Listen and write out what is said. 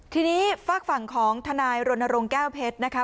ทีนี้ฝากฝั่งของทนายรณรงค์แก้วเพชรนะคะ